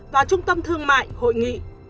và trung tâm thương mại hội nghị